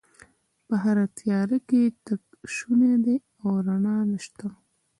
په هره تیاره کې تګ شونی دی او رڼا شته